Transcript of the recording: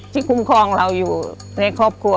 คุ้มครองเราอยู่ในครอบครัว